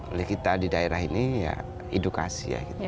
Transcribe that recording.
oleh kita di daerah ini ya edukasi